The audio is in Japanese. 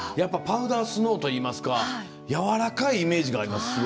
パウダースノーといいますかやわらかいイメージがあります